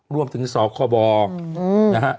รวมถึงสอบคอบอร์